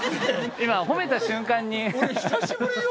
今褒めた瞬間に。